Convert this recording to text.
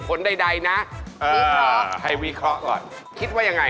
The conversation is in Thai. ใดนะให้วิเคราะห์ก่อนคิดว่ายังไง